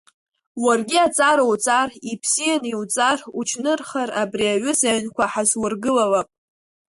Уаргьы аҵара уҵар, ибзианы иуҵар, унџьнырхар, абри аҩыза аҩнқәа ҳазургылалап.